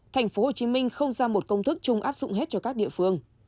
tp hcm không ra một công thức chung áp dụng hết cho các địa phương